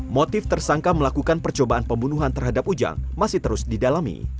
motif tersangka melakukan percobaan pembunuhan terhadap ujang masih terus didalami